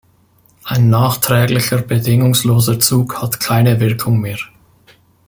Ein nachträglicher bedingungsloser Zug hat keine Wirkung mehr.